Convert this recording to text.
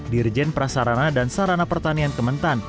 di rejen prasarana dan sarana pertanian kementan